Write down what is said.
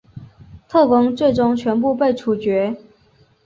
特工最终全部被处决。